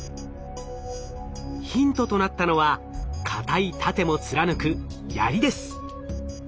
ヒントとなったのは硬い盾も貫く槍です。